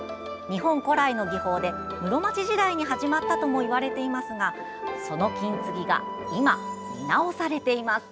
日本古来の技法で、室町時代に始まったともいわれていますがその金継ぎが今、見直されています。